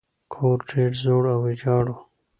کور ډیر زوړ او ویجاړ و.